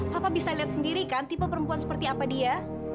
bapak bisa lihat sendiri kan tipe perempuan seperti apa dia